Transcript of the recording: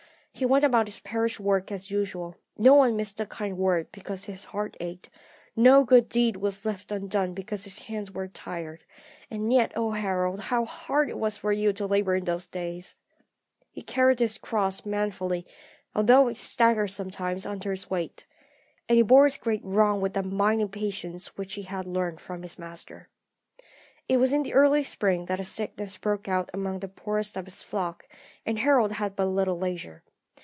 He went about his parish work as usual; no one missed a kind word because his heart ached, no good deed was left undone because his hands were tired. And yet, O Harold, how hard it was for you to labour in those days! "He carried his cross manfully, although he staggered sometimes under its weight. And he bore his great wrong with that mighty patience which he had learnt from his Master. "It was in the early spring that a sickness broke out among the poorest of his flock, and Harold had but little leisure.